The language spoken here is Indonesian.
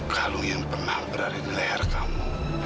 kalung yang pernah berada di layar kamu